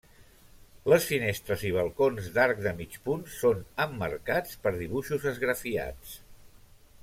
Les finestres i balcons d'arc de mig punt són emmarcats per dibuixos esgrafiats.